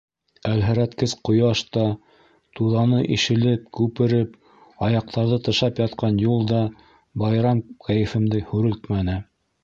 Әлһерәткес ҡояш та, туҙаны ишелеп, күпереп, аяҡтарҙы тышап ятҡан юл да байрам кәйефемде һүрелтмәне.